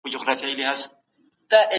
د قومونو ترمنځ تاریخي اختلافات تل موجود ول.